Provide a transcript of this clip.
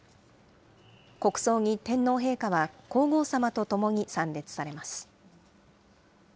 国葬に天皇陛下は皇后さまと共に参列されます。